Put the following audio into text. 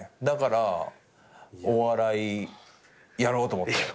だからお笑いやろうと思って。